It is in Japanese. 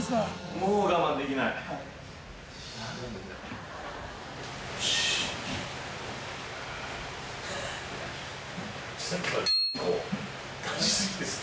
もう我慢できないよ